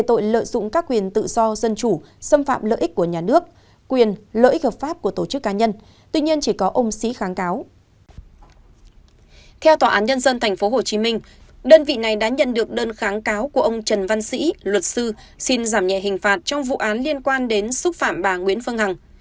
theo tòa án nhân dân tp hcm đơn vị này đã nhận được đơn kháng cáo của ông trần văn sĩ luật sư xin giảm nhẹ hình phạt trong vụ án liên quan đến xúc phạm bà nguyễn phương hằng